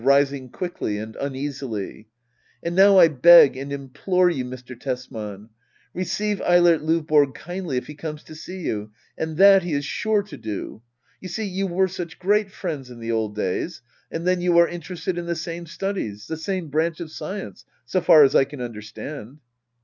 [Rising quickly and uneasily. ] And now I beg and implore you, Mr. Tesman— receive Eilert Lovborg kindly if he comes to you ! And that he is sure to do. You see you were such great friends in the old days. And then you are interested in the same studies — the same branch of science — so far as I can understand.